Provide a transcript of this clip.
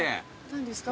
何ですか？